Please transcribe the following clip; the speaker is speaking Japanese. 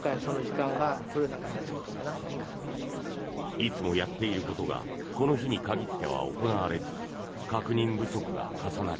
いつもやっていることがこの日に限っては行われず確認不足が重なり